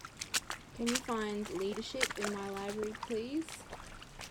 can you find Leadership in my library, please?